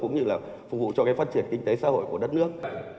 cũng như là phục vụ cho cái phát triển kinh tế xã hội của đất nước